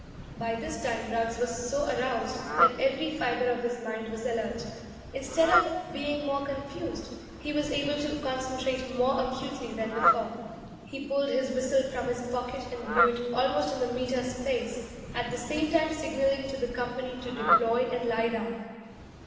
By this time Ruggs was so aroused that every fibre of his mind was alert. Instead of being more confused, he was able to concentrate more acutely than before. He pulled his whistle from his pocket and blew it almost in the Meter's face, at the same time signaling to the company to deploy and lie down.